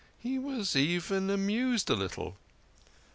He was even amused a little.